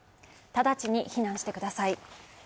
直ちに避難してください。